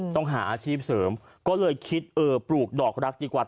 ต้องหาอาชีพเสริมก็เลยคิดเออปลูกดอกรักดีกว่า